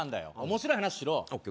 面白い話しろＯＫ